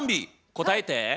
答えて。